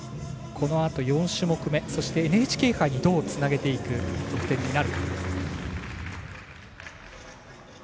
このあと４種目めそして、ＮＨＫ杯にどうつなげていく得点になるか。